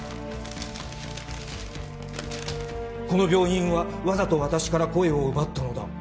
「この病院はわざと私から声を奪ったのだ」